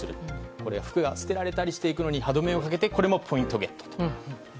これは服が捨てられたりしていくのに歯止めをかけてこれもポイントゲットと。